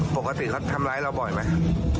ปกติเขาทำร้ายเราบ่อยไหม